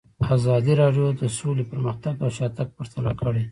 ازادي راډیو د سوله پرمختګ او شاتګ پرتله کړی.